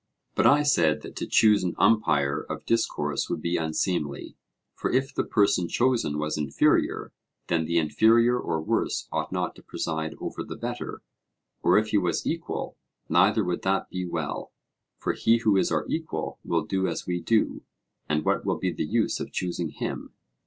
But I said that to choose an umpire of discourse would be unseemly; for if the person chosen was inferior, then the inferior or worse ought not to preside over the better; or if he was equal, neither would that be well; for he who is our equal will do as we do, and what will be the use of choosing him?